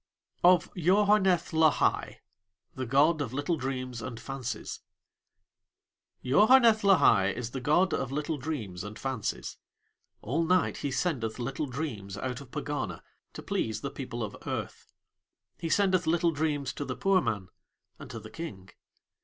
OF YOHARNETH LAHAI (The God of Little Dreams and Fancies) Yaoharneth Lahai is the god of little dreams and fancies. All night he sendeth little dreams out of Pegana to please the people of Earth. He sendeth little dreams to the poor man and to The King.